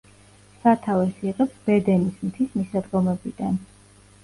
სათავეს იღებს ბედენის მთის მისადგომებიდან.